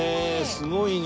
すごいね。